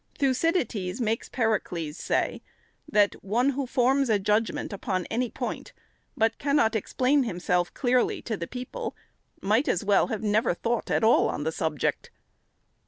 Thucydides makes Peri cles say, that " one who forms a judgment upon any point, but cannot explain himself clearly to the people, might as well have never thought at all on the subject."